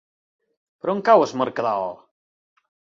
Per on cau Es Mercadal?